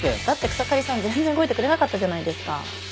だって草刈さん全然動いてくれなかったじゃないですか。